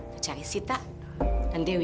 kita cari sita dan dewi